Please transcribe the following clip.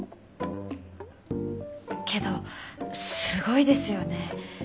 けどすごいですよね。